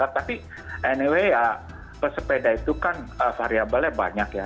tapi anyway ya pesepeda itu kan variabelnya banyak ya